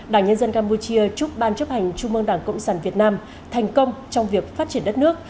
đảng nhân dân campuchia chúc ban chấp hành trung mương đảng cộng sản việt nam thành công trong việc phát triển đất nước